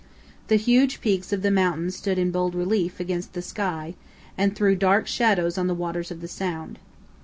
The huge peaks of the mountains stood in bold relief against the sky and threw dark shadows on the waters of the sound.